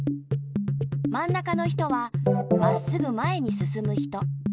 まん中の人はまっすぐ前にすすむ人。